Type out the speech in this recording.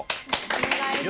お願いします。